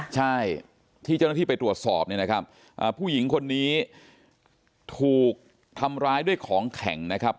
ใช่ที่เจ้าหน้าที่ไปตรวจสอบเนี่ยนะครับผู้หญิงคนนี้ถูกทำร้ายด้วยของแข็งนะครับ